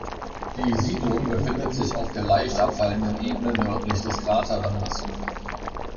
Die Siedlung befindet sich auf der leicht abfallenden Ebene nördlich des Kraterrandes.